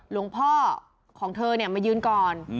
หลวงพ่อของเธอมายืนก่อน